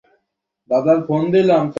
বেশ, অনেক তাড়তাড়িই সেটা মেনে নিয়েছো।